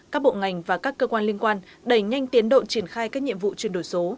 các bộ ngành và các cơ quan liên quan đẩy nhanh tiến độ triển khai các nhiệm vụ chuyển đổi số